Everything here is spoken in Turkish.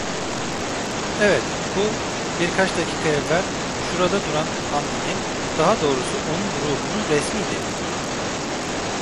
Evet, bu, birkaç dakika evvel şurada duran Hamdi'nin, daha doğrusu onun ruhunun resmiydi.